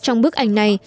trong bức ảnh này